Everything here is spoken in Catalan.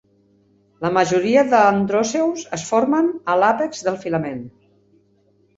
La majoria d'androceus es formen a l'àpex del filament.